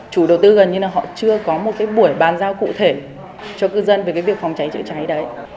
chủ đầu tư gần như là họ chưa có một cái buổi bàn giao cụ thể cho cư dân về cái việc phòng cháy chữa cháy đấy